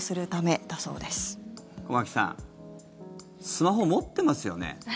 スマホ持ってますよね？